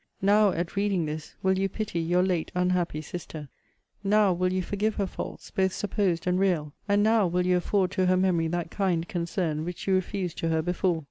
NOW, at reading this, will you pity your late unhappy sister! NOW will you forgive her faults, both supposed and real! And NOW will you afford to her memory that kind concern which you refused to her before!